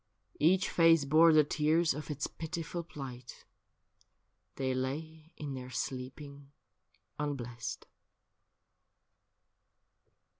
Each face bore the tears of its pitiful plight — They lay in their sleeping unblest.